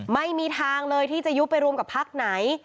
ไม่มีทางเลยที่จะยุบไปรวมกับพักไหน